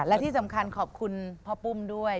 และที่สำคัญขอบคุณพ่อปุ้มด้วย